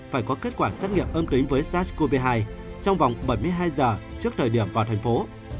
phải có kết quả xét nghiệm âm tính với sars cov hai trong vòng bảy mươi hai giờ trước thời điểm vào thành phố